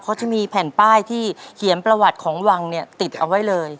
เขาจะมีแผ่นป้ายที่เขียนประวัติของวังเนี่ยติดเอาไว้เลย